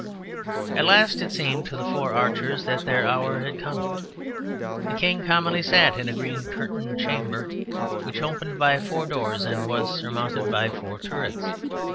At last it seemed to the four archers that their hour had come. The king commonly sat in a green curtained chamber, which opened by four doors, and was surmounted by four turrets.